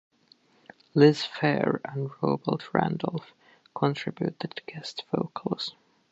Liz Phair and Robert Randolph contributed guest vocals.